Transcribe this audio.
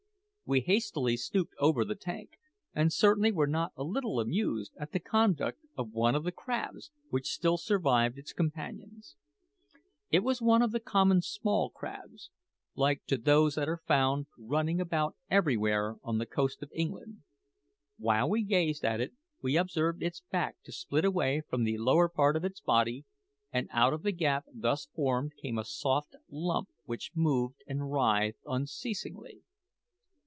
We hastily stooped over the tank, and certainly were not a little amused at the conduct of one of the crabs which still survived its companions. It was one of the common small crabs, like to those that are found running about everywhere on the coast of England. While we gazed at it we observed its back to split away from the lower part of its body, and out of the gap thus formed came a soft lump which moved and writhed unceasingly.